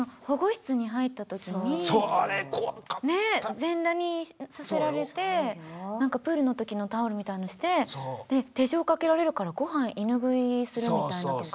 全裸にさせられてなんかプールのときのタオルみたいのしてで手錠かけられるから御飯犬食いするみたいなとか。